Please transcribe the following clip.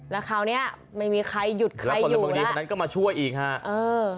แล้วคราวเนี้ยไม่มีใครหยุดใครอยู่แล้วแล้วก็มาช่วยอีกฮะเออ